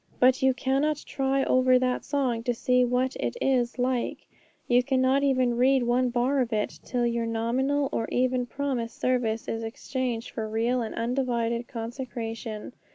But you cannot try over that song to see what it is like, you cannot even read one bar of it, till your nominal or even promised service is exchanged for real and undivided consecration.